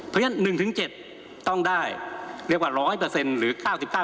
เพราะฉะนั้น๑๗ต้องได้เรียกว่า๑๐๐หรือ๙๙